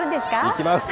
行きます。